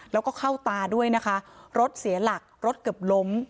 แล้วก็เข้าตาด้วยนะคะรถเสียหลักรถเกือบล้ม